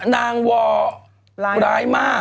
นางนางวอร้ายมาก